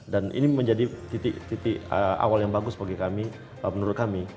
dan ini menjadi titik titik awal yang bagus bagi kami menurut kami